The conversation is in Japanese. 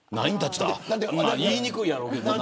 言いにくいやろうけど。